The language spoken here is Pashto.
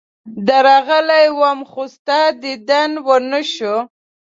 درغلی وم، خو ستا دیدن ونه شو.